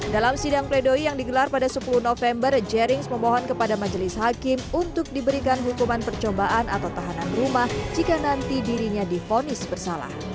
dalam sidang pledoi yang digelar pada sepuluh november jerings memohon kepada majelis hakim untuk diberikan hukuman percobaan atau tahanan rumah jika nanti dirinya difonis bersalah